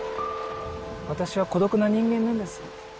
私は孤独な人間なんです。